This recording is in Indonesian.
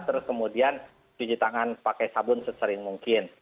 terus kemudian cuci tangan pakai sabun sesering mungkin